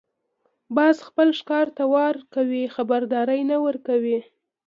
باز خپل ښکار ته وار کوي، خبرداری نه ورکوي